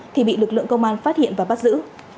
thì bị lực lượng công an phát hiện và bắt giữ